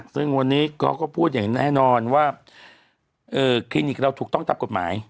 ซึ่งวันนี้เขาก็พูดอย่างแน่นอนว่าคลินิกเราถูกต้องตามกฎหมาย